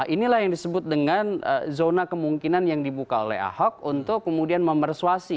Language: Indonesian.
inilah yang disebut dengan zona kemungkinan yang dibuka oleh ahok untuk kemudian memersuasi